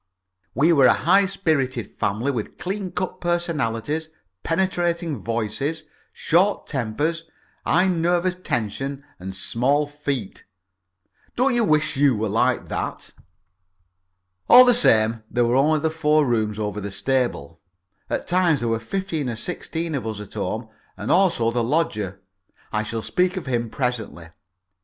We were a high spirited family with clean cut personalities, penetrating voices, short tempers, high nervous tension, and small feet. Don't you wish you were like that? All the same, there were only the four rooms over the stable. At times there were fifteen or sixteen of us at home, and also the lodger I shall speak of him presently.